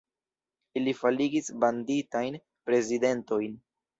Ili faligis banditajn prezidentojn.